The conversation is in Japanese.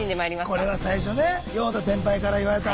これは最初ねヨーダ先輩から言われた。